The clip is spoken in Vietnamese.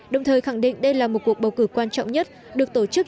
đồng thời khẳng định đây là một cuộc bầu cử quan trọng nhất được tổ chức